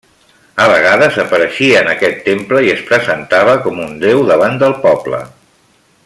A vegades apareixia en aquest temple i es presentava com un déu davant del poble.